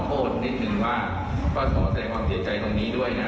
โทษนิดนึงว่าก็ขอแสดงความเสียใจตรงนี้ด้วยนะ